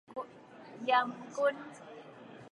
嚴君